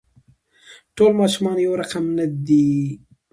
ټول ماشومان يو رقم نه دي.